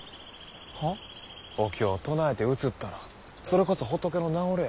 お経唱えてうつったらそれこそ仏の名折れや。